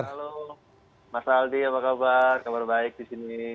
halo mas aldi apa kabar kabar baik di sini